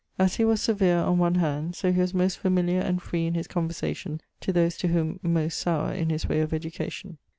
As he was severe on one hand, so he was most familiar and free in his conversation to those to whome most sowre in his way of education.